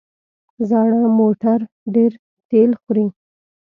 زاړه موټر ډېره تېل خوري.